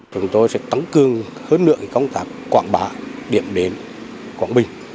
chúng tôi sẽ tăng cương hơn lượng công tác quảng bá điểm đến quảng bình